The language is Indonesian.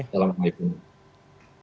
selamat malam assalamu'alaikum